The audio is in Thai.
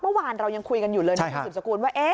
เมื่อวานเรายังคุยกันอยู่เลยนะคุณสืบสกุลว่า